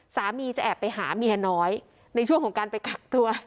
จะแอบไปหาเมียน้อยในช่วงของการไปกักตัว